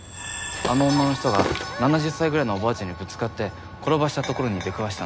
あの女の人が７０歳ぐらいのおばあちゃんにぶつかって転ばしたところに出くわしたんだ。